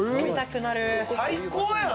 最高やん。